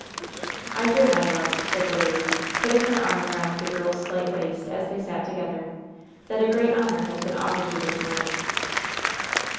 "I hear, my love," said the lady, putting her arm around the girl's slight waist, as they sat together, "that a great honor has been offered you this morning."